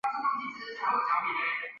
邬励德也是香港会的会员。